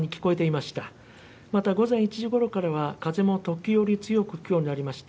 また午前１時ごろからは風も時折強く吹くようになりました。